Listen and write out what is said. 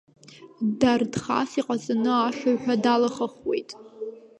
Дардхас иҟаҵаны, ашыҩҳәа далахахауеит!